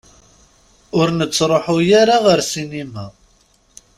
Ur nettruḥ ara ɣer ssinima.